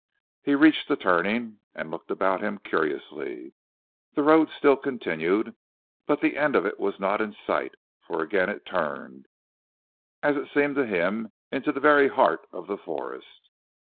He reached the turning, and looked about him curiously. The road still continued, but the end of it was not in sight, for again it turned, as it seemed to him into the very heart of the forest.